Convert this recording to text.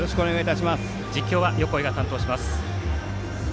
実況は横井が担当します。